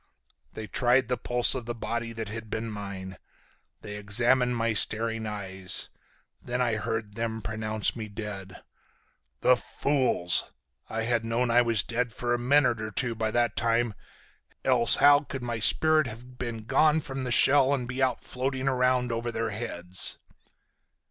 They tried the pulse of the body that had been mine, they examined my staring eyes. Then I heard them pronounce me dead. The fools! I had known I was dead for a minute or two by that time, else how could my spirit have been gone from the shell and be out floating around over their heads?"